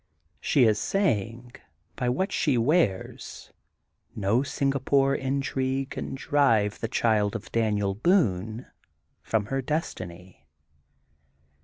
She is saying, by what she wears :No Singa pore intrigue can drive the child of Daniel Boone from her destiny.